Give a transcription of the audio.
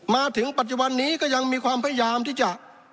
มาถึงปัจจุบันนี้ก็ยังมีความพยายามที่จะ